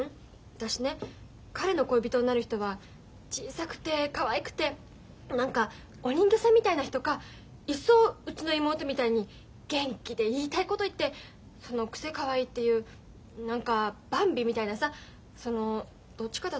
私ね彼の恋人になる人は小さくてかわいくて何かお人形さんみたいな人かいっそうちの妹みたいに元気で言いたいこと言ってそのくせかわいいっていう何かバンビみたいなさそのどっちかだと思ってる。